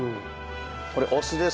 これお酢です。